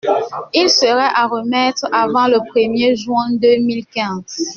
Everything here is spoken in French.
Il serait à remettre avant le premier juin deux mille quinze.